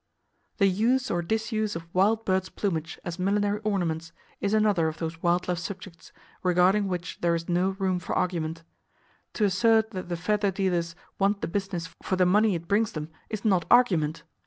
[Page 134] The use or disuse of wild birds' plumage as millinery ornaments is another of those wild life subjects regarding which there is no room for argument. To assert that the feather dealers want the business for the money it brings them is not argument!